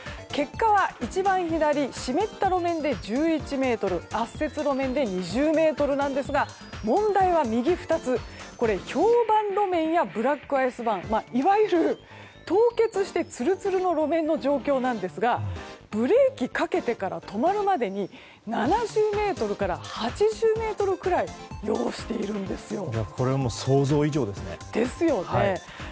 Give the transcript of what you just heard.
結果は一番左湿った路面で１１ｍ圧雪路面で２０ｍなんですが問題は右２つ、氷盤路面やブラックアイスバーンいわゆる凍結してつるつるの路面の状況なんですがブレーキかけてから止まるまでに７０ｍから８０ｍくらい要しているんですよ。ですよね。